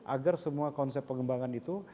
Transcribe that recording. agar semua konsep pengembangan itu